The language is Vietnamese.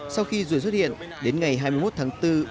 sau khi du xuất hiện đến ngày hai mươi một tháng bốn